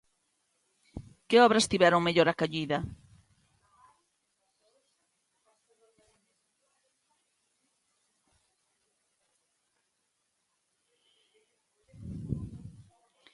Que obras tiveron mellor acollida?